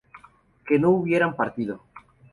que no hubieran partido